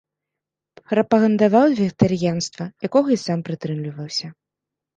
Прапагандаваў вегетарыянства, якога і сам прытрымліваўся.